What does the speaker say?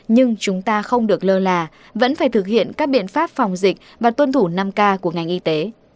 nhưng chúng ta không được lơ là vẫn phải thực hiện các biện pháp phòng dịch và tuân thủ năm k của ngành y tế